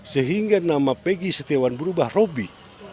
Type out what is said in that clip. sehingga nama peggy setiawan berubah robby